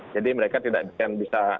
jadi mereka tidak bisa